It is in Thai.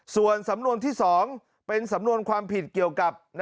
ส่วนสำนวนที่๒เป็นสำนวนความผิดเกี่ยวกับ